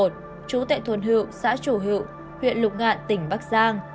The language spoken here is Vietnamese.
trú tệ thuân hữu xã chủ hữu huyện lục ngạn tỉnh bắc giang